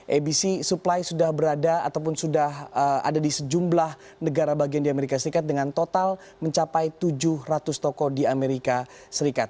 abc supply sudah berada ataupun sudah ada di sejumlah negara bagian di amerika serikat dengan total mencapai tujuh ratus toko di amerika serikat